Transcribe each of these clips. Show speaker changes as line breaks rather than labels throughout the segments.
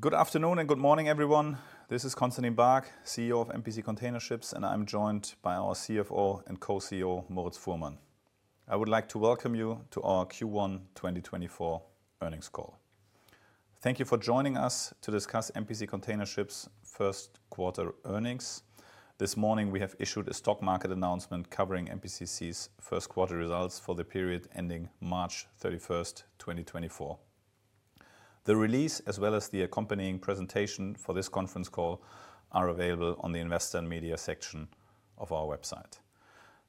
Good afternoon and good morning, everyone. This is Constantin Baack, CEO of MPC Container Ships, and I'm joined by our CFO and co-CEO, Moritz Fuhrmann. I would like to welcome you to our Q1 2024 earnings call. Thank you for joining us to discuss MPC Container Ships' first quarter earnings. This morning, we have issued a stock market announcement covering MPCC's first quarter results for the period ending March 31, 2024. The release, as well as the accompanying presentation for this conference call, are available on the Investor and Media section of our website.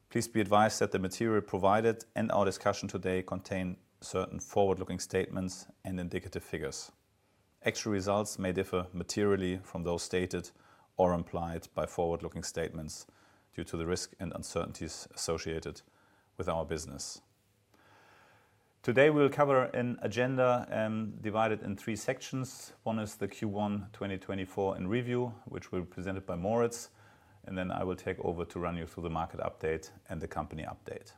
Please be advised that the material provided and our discussion today contain certain forward-looking statements and indicative figures. Actual results may differ materially from those stated or implied by forward-looking statements due to the risks and uncertainties associated with our business. Today, we will cover an agenda divided in three sections. One is the Q1 2024 in review, which will be presented by Moritz, and then I will take over to run you through the market update and the company update.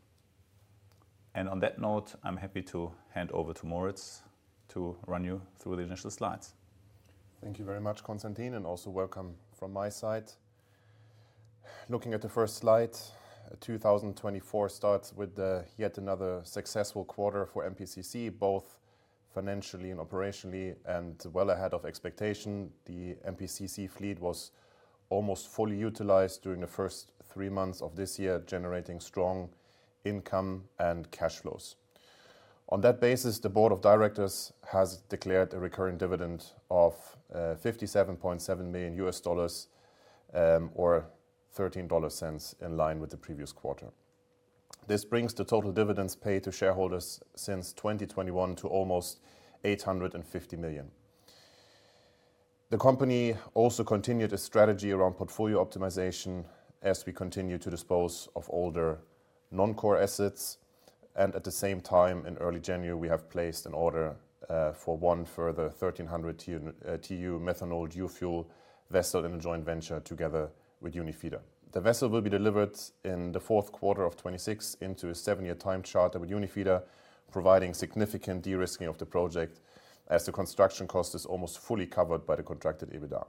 On that note, I'm happy to hand over to Moritz to run you through the initial slides.
Thank you very much, Constantin, and also welcome from my side. Looking at the first slide, 2024 starts with yet another successful quarter for MPCC, both financially and operationally, and well ahead of expectation. The MPCC fleet was almost fully utilized during the first three months of this year, generating strong income and cash flows. On that basis, the board of directors has declared a recurring dividend of $57.7 million, or $0.13, in line with the previous quarter. This brings the total dividends paid to shareholders since 2021 to almost $850 million. The company also continued a strategy around portfolio optimization as we continue to dispose of older non-core assets, and at the same time, in early January, we have placed an order for one further 1,300 TEU methanol dual-fuel vessel in a joint venture together with Unifeeder. The vessel will be delivered in the fourth quarter of 2026 into a seven-year time charter with Unifeeder, providing significant de-risking of the project as the construction cost is almost fully covered by the contracted EBITDA.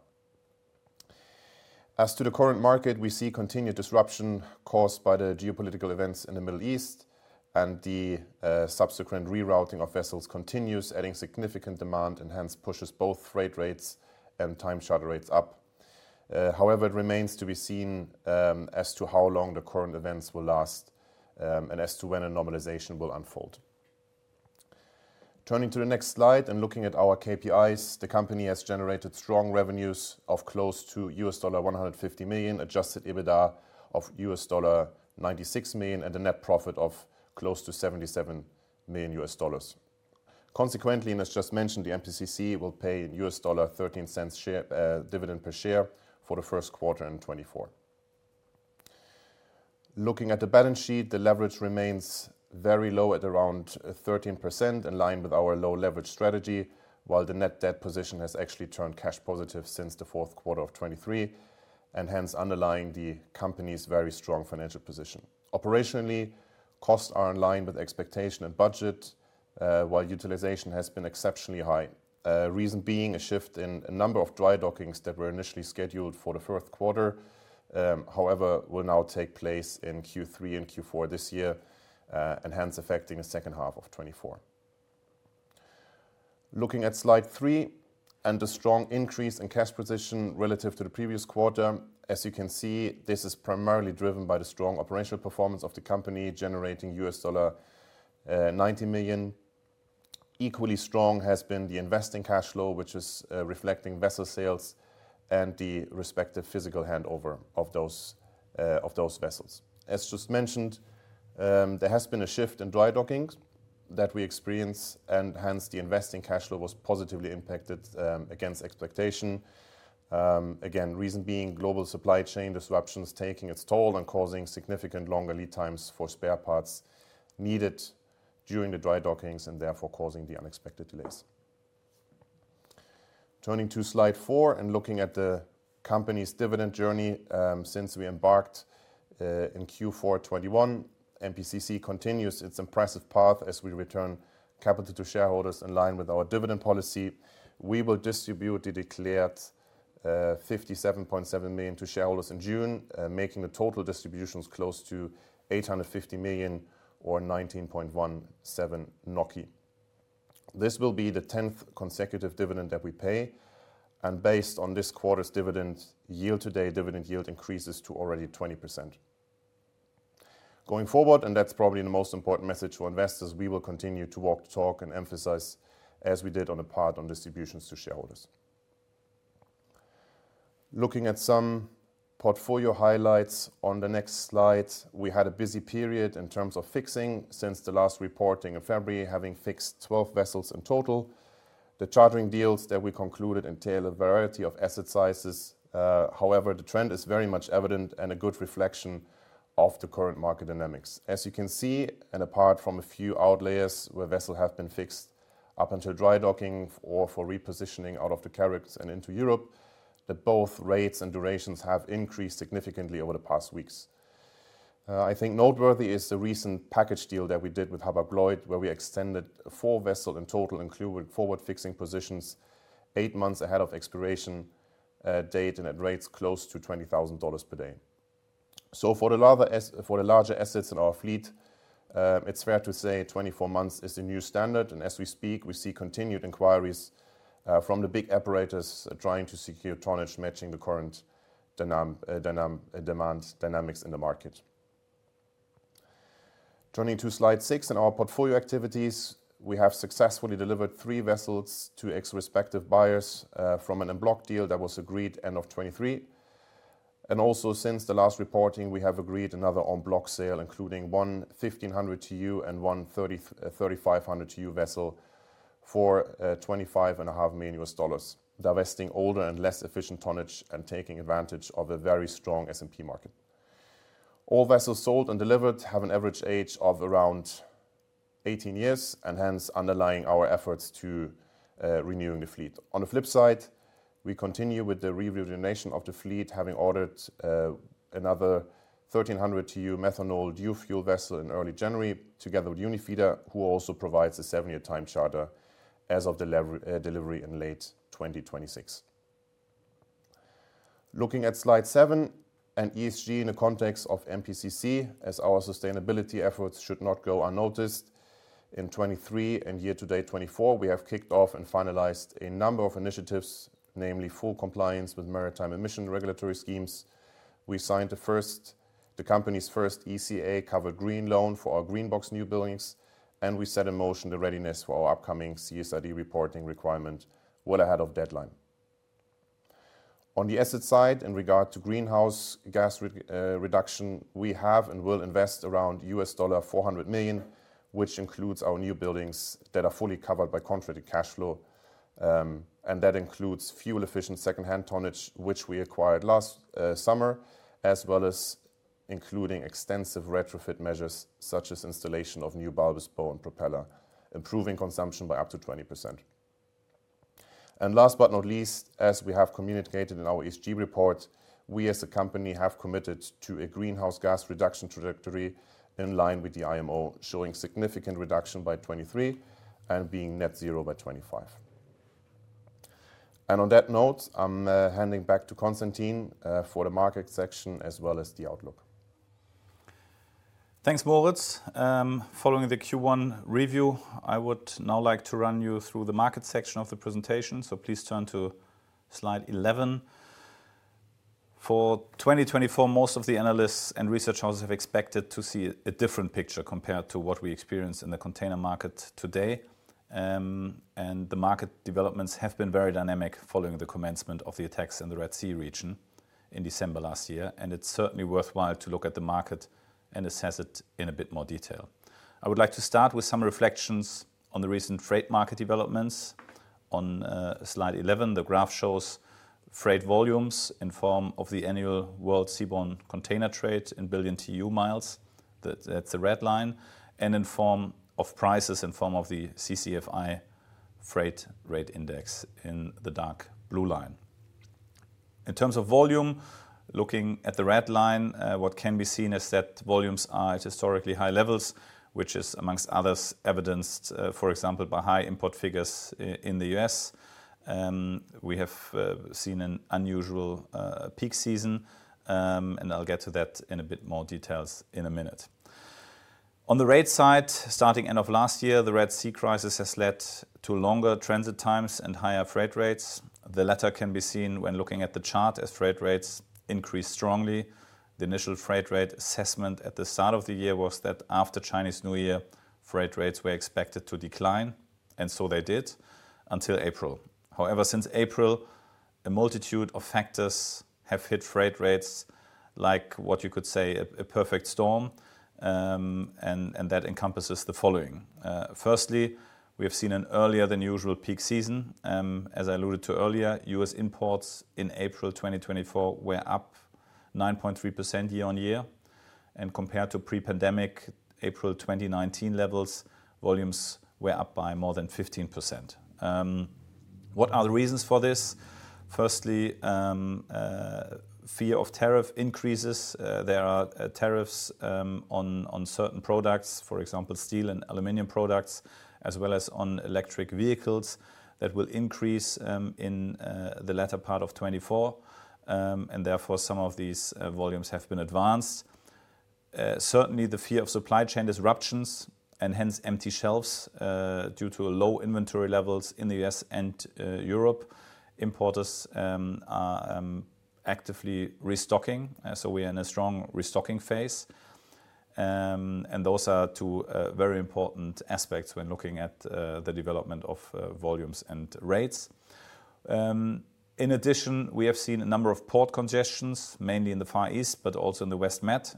As to the current market, we see continued disruption caused by the geopolitical events in the Middle East, and the subsequent rerouting of vessels continues, adding significant demand and hence pushes both freight rates and time charter rates up. However, it remains to be seen, as to how long the current events will last, and as to when a normalization will unfold. Turning to the next slide and looking at our KPIs, the company has generated strong revenues of close to $150 million, adjusted EBITDA of $96 million, and a net profit of close to $77 million. Consequently, and as just mentioned, the MPCC will pay a $0.13 dividend per share for the first quarter in 2024. Looking at the balance sheet, the leverage remains very low at around 13%, in line with our low leverage strategy, while the net debt position has actually turned cash positive since the fourth quarter of 2023, and hence underlying the company's very strong financial position. Operationally, costs are in line with expectation and budget, while utilization has been exceptionally high. Reason being a shift in a number of dry dockings that were initially scheduled for the fourth quarter, however, will now take place in Q3 and Q4 this year, and hence affecting the second half of 2024. Looking at slide 3 and the strong increase in cash position relative to the previous quarter, as you can see, this is primarily driven by the strong operational performance of the company, generating $90 million. Equally strong has been the investing cash flow, which is reflecting vessel sales and the respective physical handover of those vessels. As just mentioned, there has been a shift in dry dockings that we experienced, and hence the investing cash flow was positively impacted against expectation. Again, reason being global supply chain disruptions taking its toll and causing significant longer lead times for spare parts needed during the dry dockings and therefore causing the unexpected delays. Turning to slide 4 and looking at the company's dividend journey, since we embarked in Q4 2021, MPCC continues its impressive path as we return capital to shareholders in line with our dividend policy. We will distribute the declared 57.7 million to shareholders in June, making the total distributions close to 850 million or 19.17 NOK. This will be the tenth consecutive dividend that we pay, and based on this quarter's dividend, year-to-date dividend yield increases to already 20%. Going forward, and that's probably the most important message to investors, we will continue to walk the talk and emphasize, as we did on the part, on distributions to shareholders. Looking at some portfolio highlights on the next slide. We had a busy period in terms of fixing since the last reporting in February, having fixed 12 vessels in total. The chartering deals that we concluded entail a variety of asset sizes. However, the trend is very much evident and a good reflection of the current market dynamics. As you can see, and apart from a few outliers where vessels have been fixed up until dry docking or for repositioning out of the Caribbean and into Europe, that both rates and durations have increased significantly over the past weeks.... I think noteworthy is the recent package deal that we did with Hapag-Lloyd, where we extended 4 vessels in total, including forward fixing positions, 8 months ahead of expiration date, and at rates close to $20,000 per day. So for the larger assets in our fleet, it's fair to say 24 months is the new standard, and as we speak, we see continued inquiries from the big operators trying to secure tonnage matching the current demand dynamics in the market. Turning to slide 6, in our portfolio activities, we have successfully delivered 3 vessels to respective buyers from an en bloc deal that was agreed end of 2023. Also since the last reporting, we have agreed another en bloc sale, including one 1,500 TEU and one 3,500 TEU vessel for $25.5 million, divesting older and less efficient tonnage and taking advantage of a very strong S&P market. All vessels sold and delivered have an average age of around 18 years and hence underlying our efforts to renewing the fleet. On the flip side, we continue with the rejuvenation of the fleet, having ordered another 1,300 TEU methanol dual-fuel vessel in early January, together with Unifeeder, who also provides a 7-year time charter as of delivery in late 2026. Looking at slide 7, and ESG in the context of MPCC, as our sustainability efforts should not go unnoticed. In 2023 and year to date 2024, we have kicked off and finalized a number of initiatives, namely full compliance with maritime emission regulatory schemes. We signed the company's first ECA covered green loan for our green box new buildings, and we set in motion the readiness for our upcoming CSRD reporting requirement well ahead of deadline. On the asset side, in regard to greenhouse gas reduction, we have and will invest around $400 million, which includes our new buildings that are fully covered by contracted cash flow. And that includes fuel-efficient second-hand tonnage, which we acquired last summer, as well as including extensive retrofit measures such as installation of new bulbous bow and propeller, improving consumption by up to 20%. And last but not least, as we have communicated in our ESG report, we as a company have committed to a greenhouse gas reduction trajectory in line with the IMO, showing significant reduction by 2023 and being net zero by 2025. And on that note, I'm handing back to Constantin for the market section as well as the outlook.
Thanks, Moritz. Following the Q1 review, I would now like to run you through the market section of the presentation, so please turn to slide 11. For 2024, most of the analysts and research houses have expected to see a different picture compared to what we experienced in the container market today. The market developments have been very dynamic following the commencement of the attacks in the Red Sea region in December last year, and it's certainly worthwhile to look at the market and assess it in a bit more detail. I would like to start with some reflections on the recent freight market developments. On slide 11, the graph shows freight volumes in form of the annual world seaborne container trade in billion TEU miles. That, that's the red line, and in form of prices, in form of the CCFI freight rate index in the dark blue line. In terms of volume, looking at the red line, what can be seen is that volumes are at historically high levels, which is among others, evidenced, for example, by high import figures in the U.S. We have seen an unusual peak season, and I'll get to that in a bit more details in a minute. On the rate side, starting end of last year, the Red Sea crisis has led to longer transit times and higher freight rates. The latter can be seen when looking at the chart, as freight rates increased strongly. The initial freight rate assessment at the start of the year was that after Chinese New Year, freight rates were expected to decline, and so they did until April. However, since April, a multitude of factors have hit freight rates like what you could say, a perfect storm. That encompasses the following. Firstly, we have seen an earlier than usual peak season. As I alluded to earlier, U.S. imports in April 2024 were up 9.3% year-on-year, and compared to pre-pandemic April 2019 levels, volumes were up by more than 15%. What are the reasons for this? Firstly, fear of tariff increases. There are tariffs on certain products, for example, steel and aluminum products, as well as on electric vehicles, that will increase in the latter part of 2024. And therefore, some of these volumes have been advanced. Certainly, the fear of supply chain disruptions and hence empty shelves due to low inventory levels in the US and Europe. Importers are actively restocking, so we are in a strong restocking phase. And those are two very important aspects when looking at the development of volumes and rates. In addition, we have seen a number of port congestions, mainly in the Far East, but also in the West Met.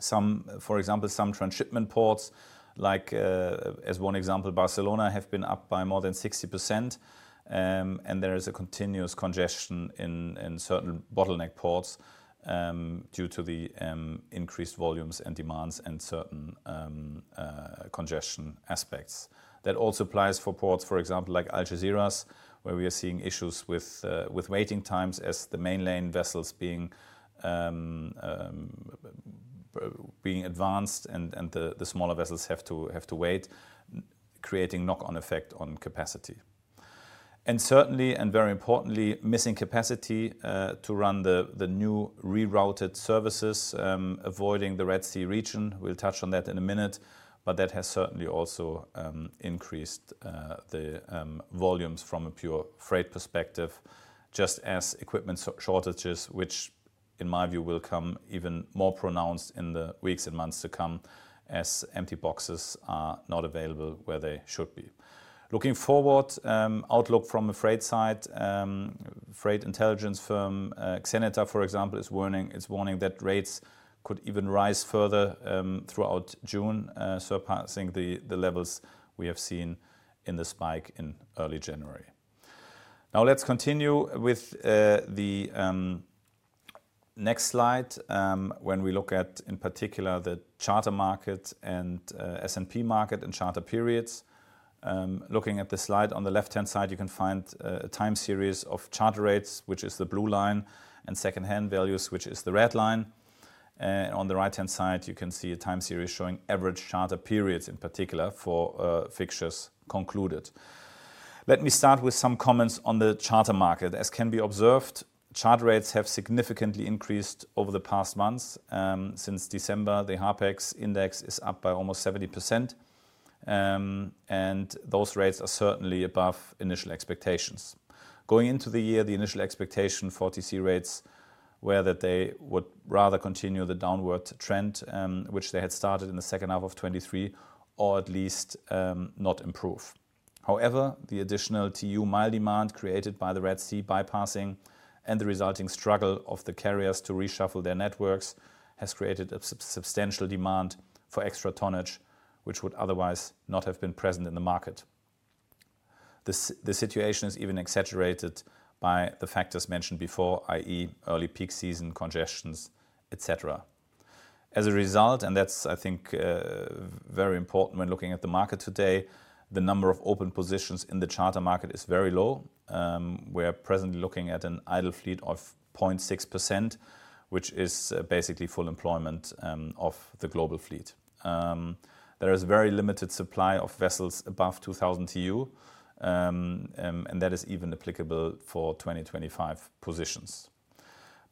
Some, for example, some transshipment ports, like, as one example, Barcelona, have been up by more than 60%. And there is a continuous congestion in certain bottleneck ports due to the increased volumes and demands and certain congestion aspects. That also applies for ports, for example, like Algeciras, where we are seeing issues with waiting times as the main lane vessels being advanced and the smaller vessels have to wait, creating knock-on effect on capacity. And certainly, and very importantly, missing capacity to run the new rerouted services avoiding the Red Sea region. We'll touch on that in a minute, but that has certainly also increased the volumes from a pure freight perspective, just as equipment shortages, which in my view, will come even more pronounced in the weeks and months to come, as empty boxes are not available where they should be. Looking forward, outlook from a freight side, freight intelligence firm, Xeneta, for example, is warning, is warning that rates could even rise further, throughout June, surpassing the, the levels we have seen in the spike in early January. Now, let's continue with, the, next slide. When we look at, in particular, the charter market and, S&P market and charter periods. Looking at the slide on the left-hand side, you can find, a time series of charter rates, which is the blue line, and second-hand values, which is the red line. On the right-hand side, you can see a time series showing average charter periods, in particular for, fixtures concluded. Let me start with some comments on the charter market. As can be observed, charter rates have significantly increased over the past months. Since December, the HARPEX index is up by almost 70%, and those rates are certainly above initial expectations. Going into the year, the initial expectation for TC rates were that they would rather continue the downward trend, which they had started in the second half of 2023, or at least, not improve. However, the additional TEU mile demand created by the Red Sea bypassing and the resulting struggle of the carriers to reshuffle their networks, has created a substantial demand for extra tonnage, which would otherwise not have been present in the market. The situation is even exaggerated by the factors mentioned before, i.e., early peak season congestions, et cetera. As a result, and that's, I think, very important when looking at the market today, the number of open positions in the charter market is very low. We're presently looking at an idle fleet of 0.6%, which is basically full employment, of the global fleet. There is very limited supply of vessels above 2,000 TEU, and that is even applicable for 2025 positions.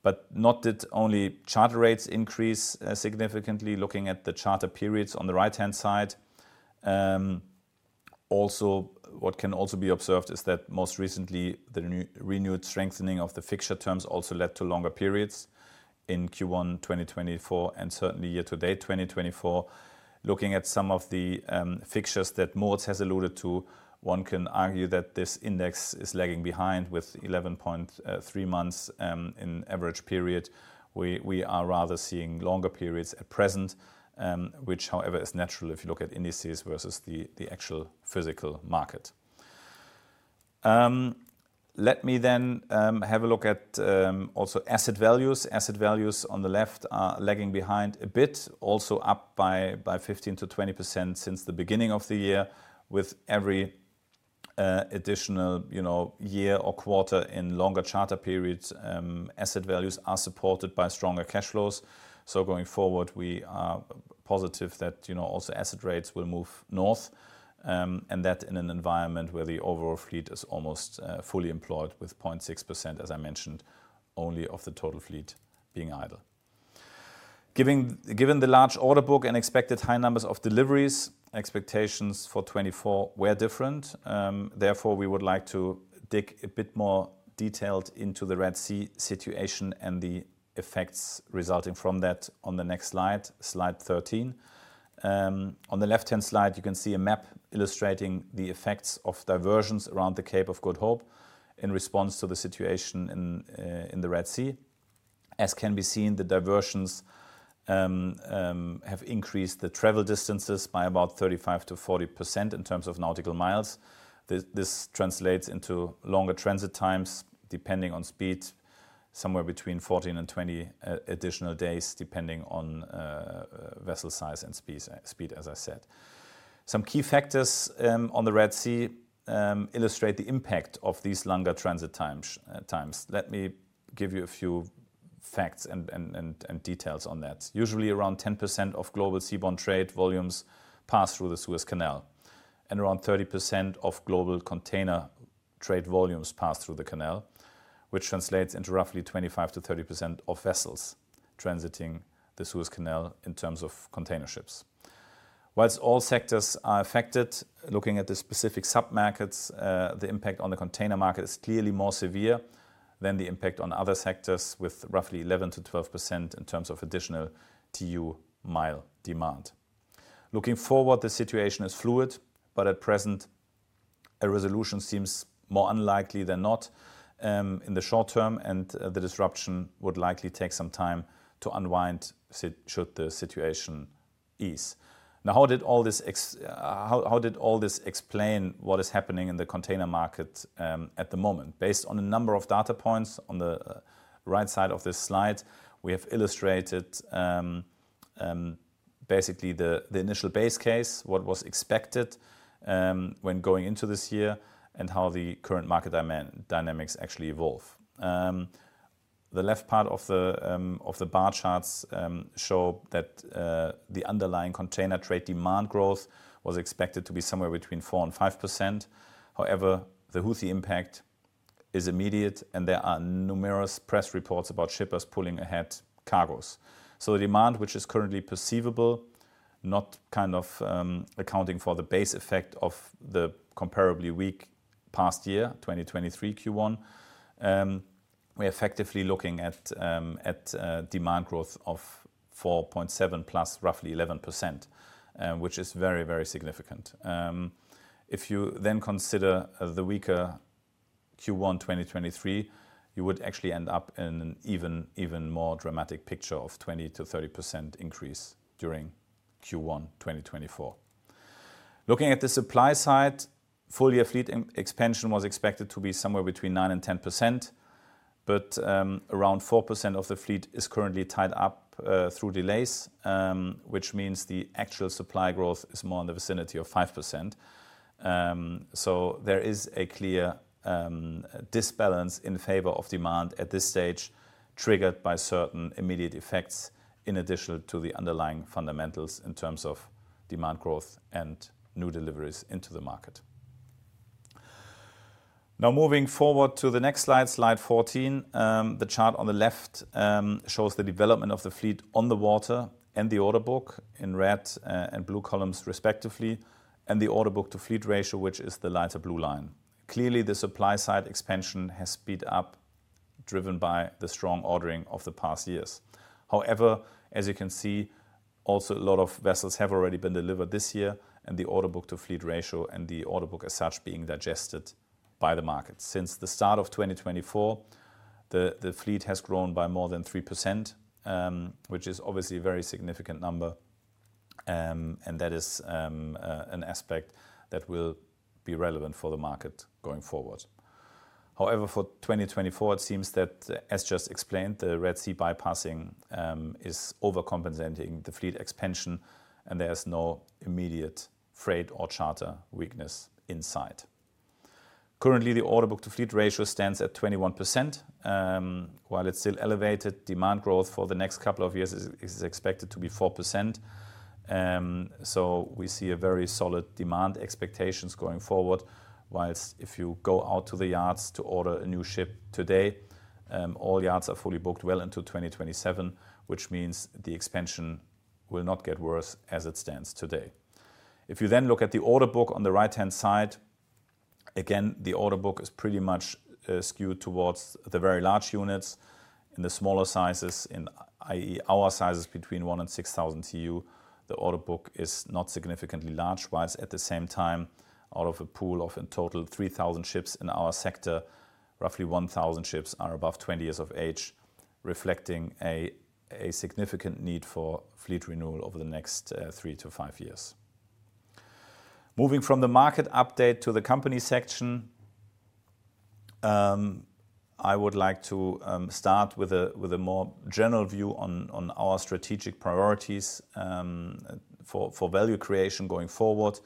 But not that only charter rates increase, significantly. Looking at the charter periods on the right-hand side, also. What can also be observed is that most recently, the renewed strengthening of the fixture terms also led to longer periods in Q1 2024, and certainly year to date 2024. Looking at some of the, fixtures that Moritz has alluded to, one can argue that this index is lagging behind with 11.3 months, in average period. We are rather seeing longer periods at present, which, however, is natural if you look at indices versus the actual physical market. Let me then have a look at also asset values. Asset values on the left are lagging behind a bit, also up by 15%-20% since the beginning of the year, with every additional, you know, year or quarter in longer charter periods, asset values are supported by stronger cash flows. So going forward, we are positive that, you know, also asset rates will move north, and that in an environment where the overall fleet is almost fully employed with 0.6%, as I mentioned, only of the total fleet being idle. Given the large order book and expected high numbers of deliveries, expectations for 2024 were different. Therefore, we would like to dig a bit more detailed into the Red Sea situation and the effects resulting from that on the next slide, slide 13. On the left-hand slide, you can see a map illustrating the effects of diversions around the Cape of Good Hope in response to the situation in the Red Sea. As can be seen, the diversions have increased the travel distances by about 35%-40% in terms of nautical miles. This translates into longer transit times, depending on speed, somewhere between 14 and 20 additional days, depending on vessel size and speed, as I said. Some key factors on the Red Sea illustrate the impact of these longer transit times. Let me give you a few facts and details on that. Usually, around 10% of global seaborne trade volumes pass through the Suez Canal, and around 30% of global container trade volumes pass through the canal, which translates into roughly 25%-30% of vessels transiting the Suez Canal in terms of container ships. While all sectors are affected, looking at the specific submarkets, the impact on the container market is clearly more severe than the impact on other sectors, with roughly 11%-12% in terms of additional TEU mile demand. Looking forward, the situation is fluid, but at present, a resolution seems more unlikely than not, in the short term, and the disruption would likely take some time to unwind, should the situation ease. Now, how did all this explain what is happening in the container market at the moment? Based on a number of data points on the right side of this slide, we have illustrated basically the initial base case, what was expected when going into this year, and how the current market demand dynamics actually evolve. The left part of the bar charts show that the underlying container trade demand growth was expected to be somewhere between 4% and 5%. However, the Houthi impact is immediate, and there are numerous press reports about shippers pulling ahead cargoes. So the demand, which is currently perceivable, not kind of accounting for the base effect of the comparably weak past year, 2023 Q1, we're effectively looking at demand growth of 4.7% plus roughly 11%, which is very, very significant. If you then consider the weaker Q1 2023, you would actually end up in an even more dramatic picture of 20%-30% increase during Q1 2024. Looking at the supply side, full year fleet expansion was expected to be somewhere between 9%-10%, but around 4% of the fleet is currently tied up through delays, which means the actual supply growth is more in the vicinity of 5%. So there is a clear imbalance in favor of demand at this stage, triggered by certain immediate effects in addition to the underlying fundamentals in terms of demand growth and new deliveries into the market. Now, moving forward to the next slide, slide 14. The chart on the left shows the development of the fleet on the water and the order book in red and blue columns respectively, and the order book to fleet ratio, which is the lighter blue line. Clearly, the supply side expansion has sped up, driven by the strong ordering of the past years. However, as you can see, also a lot of vessels have already been delivered this year, and the order book to fleet ratio and the order book as such, being digested by the market. Since the start of 2024, the fleet has grown by more than 3%, which is obviously a very significant number, and that is an aspect that will be relevant for the market going forward. However, for 2024, it seems that, as just explained, the Red Sea bypassing is overcompensating the fleet expansion, and there is no immediate freight or charter weakness in sight. Currently, the order book to fleet ratio stands at 21%. While it's still elevated, demand growth for the next couple of years is, is expected to be 4%. So we see a very solid demand expectations going forward, while if you go out to the yards to order a new ship today, all the yards are fully booked well into 2027, which means the expansion will not get worse as it stands today. If you then look at the order book on the right-hand side, again, the order book is pretty much skewed towards the very large units. In the smaller sizes, in i.e. Our size is between 1 and 6,000 TEU, the order book is not significantly large, while at the same time, out of a pool of in total 3,000 ships in our sector, roughly 1,000 ships are above 20 years of age, reflecting a significant need for fleet renewal over the next 3-5 years. Moving from the market update to the company section, I would like to start with a more general view on our strategic priorities for value creation going forward.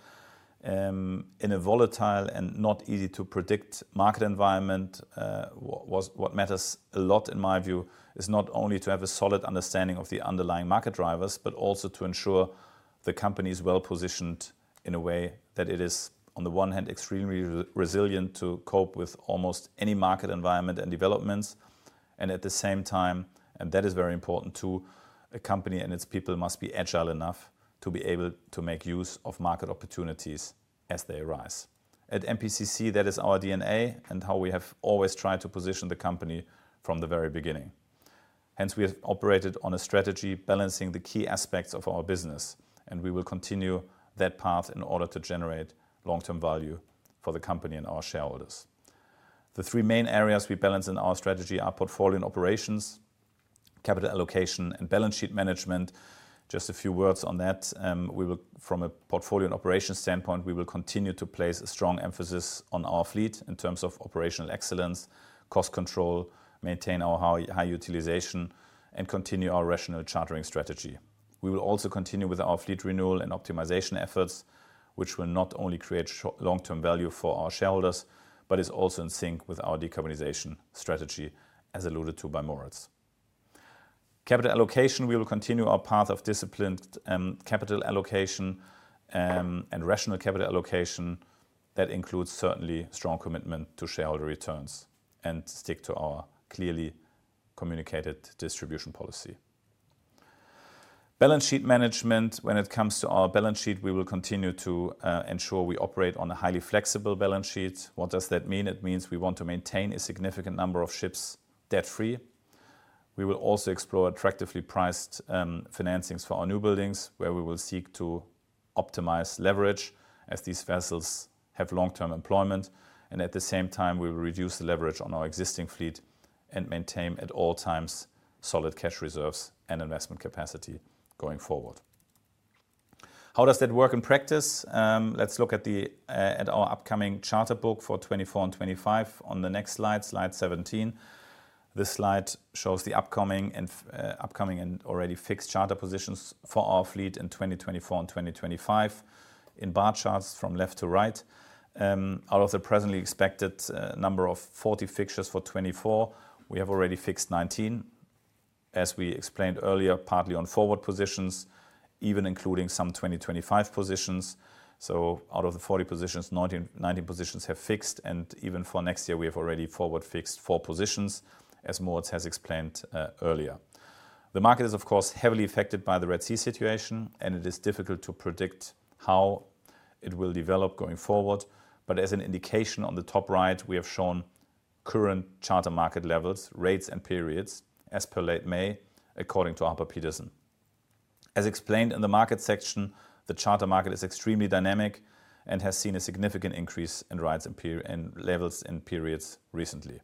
In a volatile and not easy to predict market environment, what matters a lot, in my view, is not only to have a solid understanding of the underlying market drivers, but also to ensure the company is well positioned in a way that it is, on the one hand, extremely resilient to cope with almost any market environment and developments. At the same time, and that is very important, too, a company and its people must be agile enough to be able to make use of market opportunities as they arise. At MPCC, that is our DNA and how we have always tried to position the company from the very beginning. Hence, we have operated on a strategy balancing the key aspects of our business, and we will continue that path in order to generate long-term value for the company and our shareholders. The three main areas we balance in our strategy are portfolio and operations, capital allocation, and balance sheet management. Just a few words on that. From a portfolio and operations standpoint, we will continue to place a strong emphasis on our fleet in terms of operational excellence, cost control, maintain our high, high utilization, and continue our rational chartering strategy. We will also continue with our fleet renewal and optimization efforts, which will not only create long-term value for our shareholders, but is also in sync with our decarbonization strategy, as alluded to by Moritz. Capital allocation, we will continue our path of disciplined capital allocation and rational capital allocation. That includes certainly strong commitment to shareholder returns and stick to our clearly communicated distribution policy. Balance sheet management. When it comes to our balance sheet, we will continue to ensure we operate on a highly flexible balance sheet. What does that mean? It means we want to maintain a significant number of ships debt-free. We will also explore attractively priced financings for our newbuildings, where we will seek to optimize leverage as these vessels have long-term employment, and at the same time, we will reduce the leverage on our existing fleet and maintain, at all times, solid cash reserves and investment capacity going forward. How does that work in practice? Let's look at our upcoming charter book for 2024 and 2025 on the next slide, slide 17. This slide shows the upcoming and already fixed charter positions for our fleet in 2024 and 2025, in bar charts from left to right. Out of the presently expected number of 40 fixtures for 2024, we have already fixed 19, as we explained earlier, partly on forward positions, even including some 2025 positions. So out of the 40 positions, 19, 19 positions have fixed, and even for next year, we have already forward-fixed 4 positions, as Moritz has explained earlier. The market is, of course, heavily affected by the Red Sea situation, and it is difficult to predict how it will develop going forward. But as an indication, on the top right, we have shown current charter market levels, rates, and periods as per late May, according to Harper Petersen. As explained in the market section, the charter market is extremely dynamic and has seen a significant increase in rates and levels and periods recently.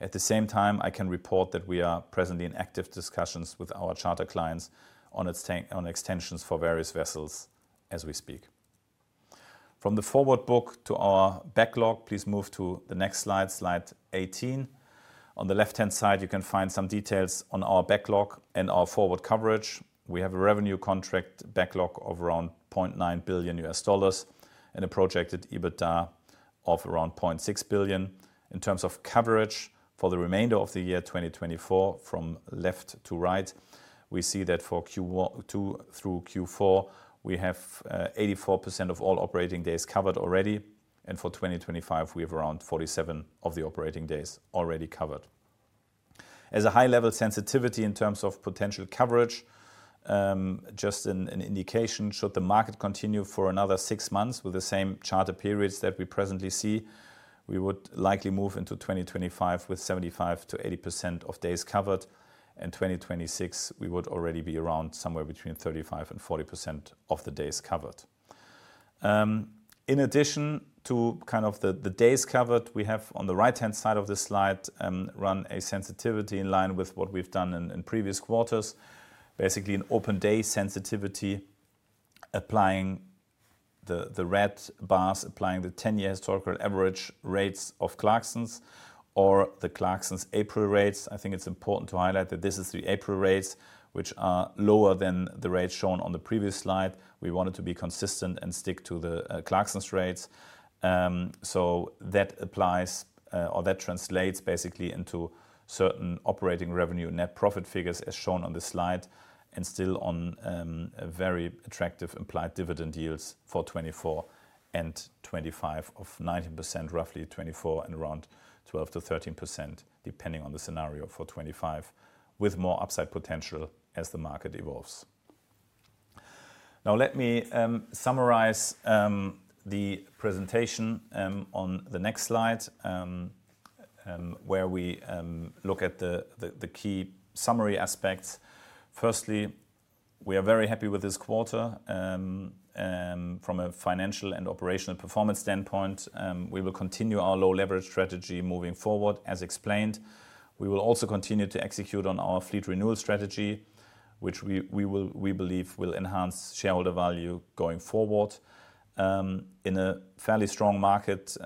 At the same time, I can report that we are presently in active discussions with our charter clients on extensions for various vessels as we speak. From the forward book to our backlog, please move to the next slide, slide 18. On the left-hand side, you can find some details on our backlog and our forward coverage. We have a revenue contract backlog of around $0.9 billion and a projected EBITDA of around $0.6 billion. In terms of coverage for the remainder of the year 2024, from left to right, we see that for Q2 through Q4, we have 84% of all operating days covered already, and for 2025, we have around 47% of the operating days already covered. As a high-level sensitivity in terms of potential coverage, just an indication, should the market continue for another six months with the same charter periods that we presently see, we would likely move into 2025, with 75%-80% of days covered. In 2026, we would already be around somewhere between 35%-40% of the days covered. In addition to kind of the days covered, we have, on the right-hand side of this slide, run a sensitivity in line with what we've done in previous quarters. Basically, an open day sensitivity, applying the red bars, applying the 10-year historical average rates of Clarksons or the Clarksons April rates. I think it's important to highlight that this is the April rates, which are lower than the rates shown on the previous slide. We wanted to be consistent and stick to the Clarksons rates. So that applies, or that translates basically into certain operating revenue net profit figures, as shown on this slide, and still on a very attractive implied dividend yields for 2024 and 2025 of 90%, roughly 24, and around 12%-13%, depending on the scenario for 2025, with more upside potential as the market evolves. Now, let me summarize the presentation on the next slide, where we look at the key summary aspects. Firstly, we are very happy with this quarter from a financial and operational performance standpoint. We will continue our low leverage strategy moving forward, as explained. We will also continue to execute on our fleet renewal strategy, which we believe will enhance shareholder value going forward. In a fairly strong market,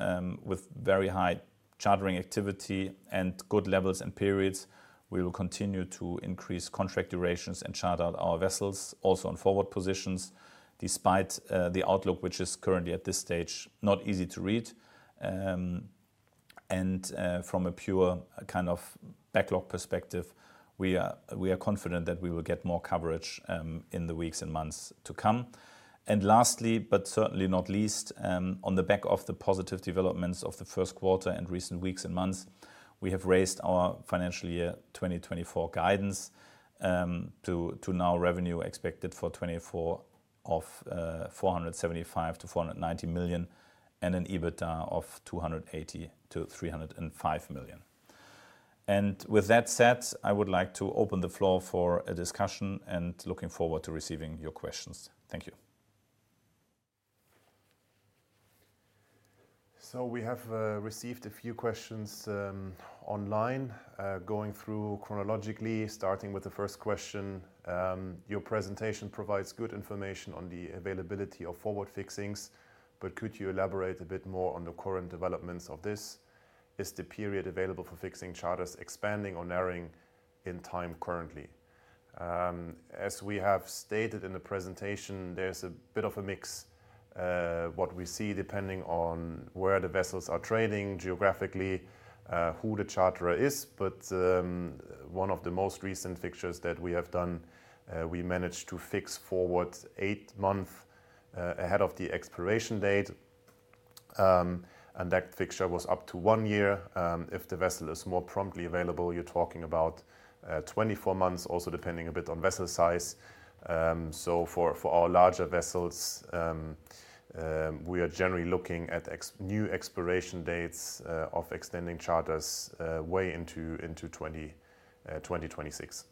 with very high chartering activity and good levels and periods, we will continue to increase contract durations and charter our vessels also on forward positions, despite the outlook, which is currently, at this stage, not easy to read. And from a pure kind of backlog perspective, we are confident that we will get more coverage in the weeks and months to come. And lastly, but certainly not least, on the back of the positive developments of the first quarter and recent weeks and months, we have raised our financial year 2024 guidance to now revenue expected for 2024 of $475 million-$490 million, and an EBITDA of $280 million-$305 million. With that said, I would like to open the floor for a discussion, and looking forward to receiving your questions. Thank you.
So we have received a few questions online. Going through chronologically, starting with the first question: "Your presentation provides good information on the availability of forward fixings, but could you elaborate a bit more on the current developments of this? Is the period available for fixing charters expanding or narrowing in time currently?" As we have stated in the presentation, there's a bit of a mix, what we see, depending on where the vessels are trading geographically, who the charterer is. But, one of the most recent fixtures that we have done, we managed to fix forward 8 months ahead of the expiration date, and that fixture was up to 1 year. If the vessel is more promptly available, you're talking about 24 months, also depending a bit on vessel size. So for our larger vessels, we are generally looking at new expiration dates of extending charters way into 2026.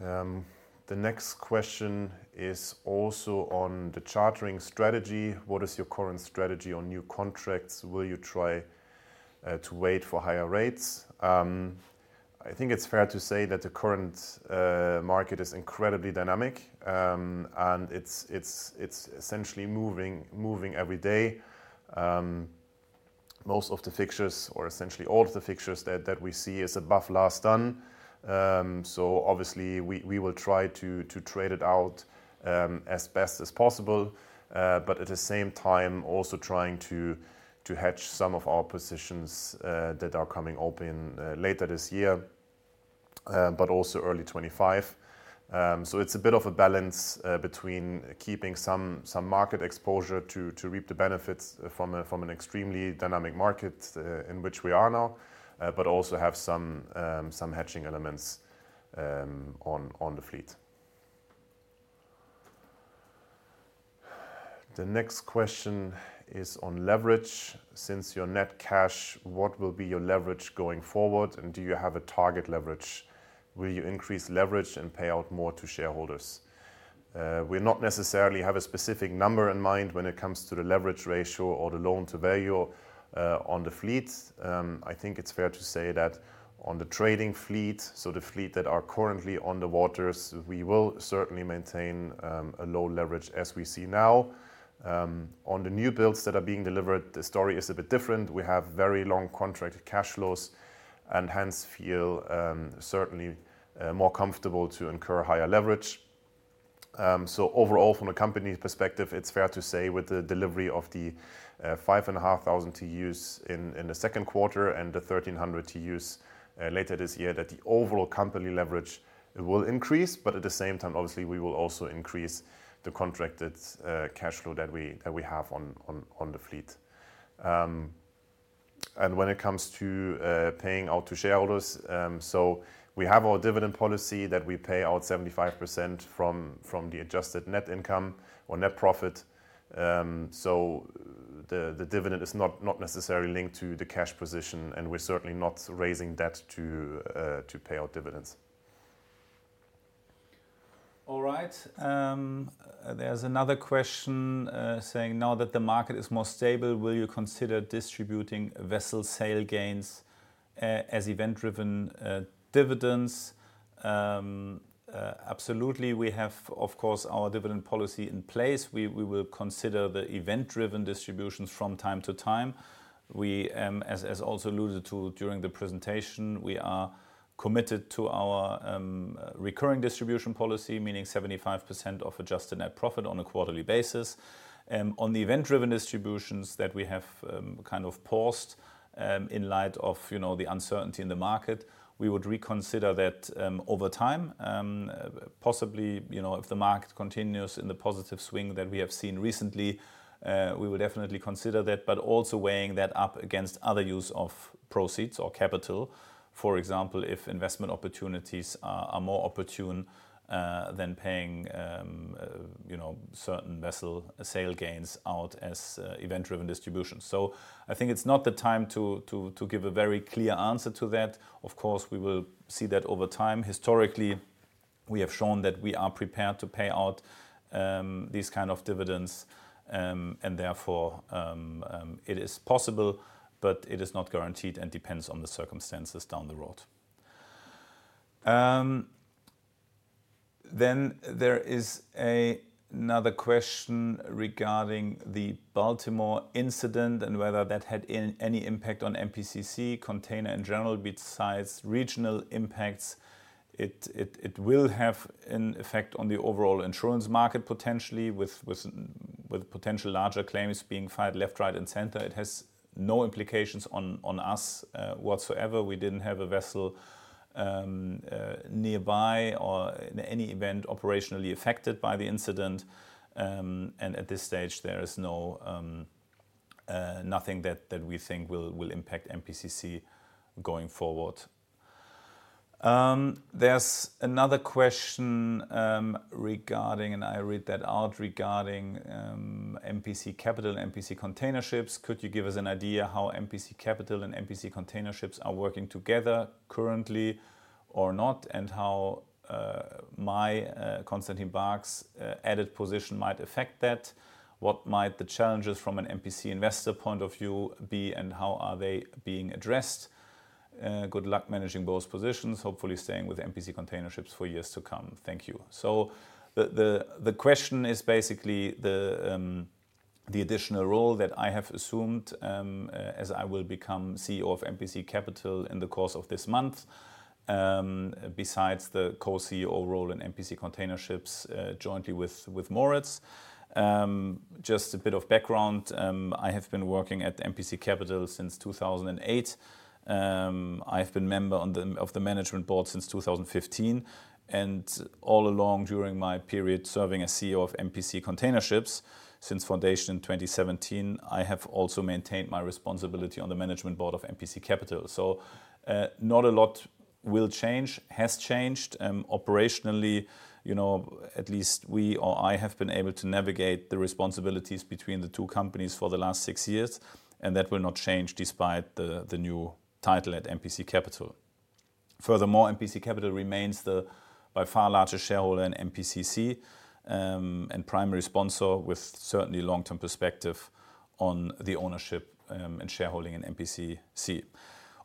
The next question is also on the chartering strategy: "What is your current strategy on new contracts? Will you try to wait for higher rates?" I think it's fair to say that the current market is incredibly dynamic, and it's essentially moving every day. Most of the fixtures or essentially all of the fixtures that we see is above last done. So obviously we will try to trade it out as best as possible, but at the same time, also trying to hedge some of our positions that are coming open later this year, but also early 2025. So it's a bit of a balance between keeping some market exposure to reap the benefits from an extremely dynamic market in which we are now, but also have some hedging elements on the fleet. The next question is on leverage: Since your net cash, what will be your leverage going forward, and do you have a target leverage? Will you increase leverage and pay out more to shareholders? We not necessarily have a specific number in mind when it comes to the leverage ratio or the loan-to-value on the fleet. I think it's fair to say that on the trading fleet, so the fleet that are currently on the waters, we will certainly maintain a low leverage as we see now. On the new builds that are being delivered, the story is a bit different. We have very long contracted cash flows and hence feel certainly more comfortable to incur higher leverage. So overall, from a company's perspective, it's fair to say with the delivery of the 5,500 TEUs in the second quarter and the 1,300 TEUs later this year, that the overall company leverage will increase, but at the same time, obviously, we will also increase the contracted cash flow that we have on the fleet. And when it comes to paying out to shareholders, so we have our dividend policy that we pay out 75% from the adjusted net income or net profit. So the dividend is not necessarily linked to the cash position, and we're certainly not raising debt to pay out dividends.
All right. There's another question saying: Now that the market is more stable, will you consider distributing vessel sale gains as event-driven dividends? Absolutely. We have, of course, our dividend policy in place. We will consider the event-driven distributions from time to time. We, as also alluded to during the presentation, we are committed to our recurring distribution policy, meaning 75% of adjusted net profit on a quarterly basis. On the event-driven distributions that we have kind of paused in light of, you know, the uncertainty in the market, we would reconsider that over time. Possibly, you know, if the market continues in the positive swing that we have seen recently, we would definitely consider that, but also weighing that up against other use of proceeds or capital. For example, if investment opportunities are more opportune than paying, you know, certain vessel sale gains out as event-driven distribution. So I think it's not the time to give a very clear answer to that. Of course, we will see that over time. Historically, we have shown that we are prepared to pay out these kind of dividends, and therefore it is possible, but it is not guaranteed and depends on the circumstances down the road. Then there is another question regarding the Baltimore incident and whether that had any impact on MPC Container Ships in general, besides regional impacts. It will have an effect on the overall insurance market, potentially, with potential larger claims being filed left, right, and center. It has no implications on us whatsoever. We didn't have a vessel nearby or in any event, operationally affected by the incident. At this stage, there is no nothing that we think will impact MPCC going forward. There's another question regarding, and I read that out, regarding MPC Capital, MPC Container Ships. Could you give us an idea how MPC Capital and MPC Container Ships are working together currently or not? And how my Constantin Baack's added position might affect that. What might the challenges from an MPC investor point of view be, and how are they being addressed? Good luck managing both positions, hopefully staying with MPC Container Ships for years to come. Thank you. So the question is basically the additional role that I have assumed, as I will become CEO of MPC Capital in the course of this month. Besides the co-CEO role in MPC Container Ships, jointly with Moritz. Just a bit of background, I have been working at MPC Capital since 2008. I've been member of the management board since 2015, and all along during my period serving as CEO of MPC Container Ships since foundation in 2017, I have also maintained my responsibility on the management board of MPC Capital. So, not a lot will change, has changed, operationally. You know, at least we or I have been able to navigate the responsibilities between the two companies for the last six years, and that will not change despite the new title at MPC Capital. Furthermore, MPC Capital remains the by far largest shareholder in MPCC, and primary sponsor, with certainly long-term perspective on the ownership, and shareholding in MPCC.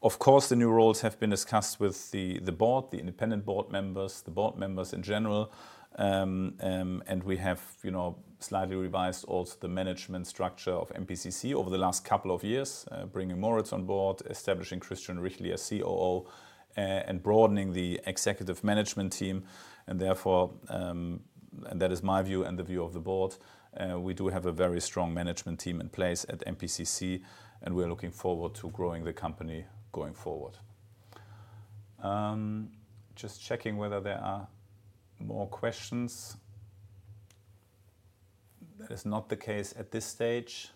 Of course, the new roles have been discussed with the board, the independent board members, the board members in general. And we have, you know, slightly revised also the management structure of MPCC over the last couple of years, bringing Moritz on board, establishing Christian Rychly as COO, and broadening the executive management team, and therefore, and that is my view and the view of the board. We do have a very strong management team in place at MPCC, and we are looking forward to growing the company going forward. Just checking whether there are more questions. That is not the case at this stage.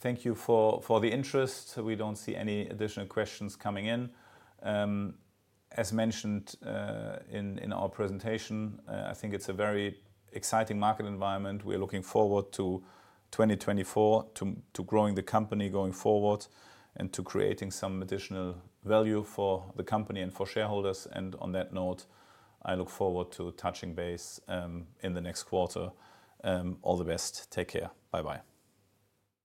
Thank you for the interest. We don't see any additional questions coming in. As mentioned in our presentation, I think it's a very exciting market environment. We're looking forward to 2024, to growing the company going forward, and to creating some additional value for the company and for shareholders. And on that note, I look forward to touching base in the next quarter. All the best. Take care. Bye-bye.